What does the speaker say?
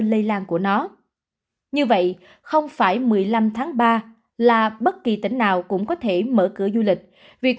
lây lan của nó như vậy không phải một mươi năm tháng ba là bất kỳ tỉnh nào cũng có thể mở cửa du lịch việc